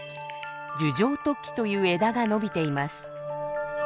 樹状突起という枝が伸びています。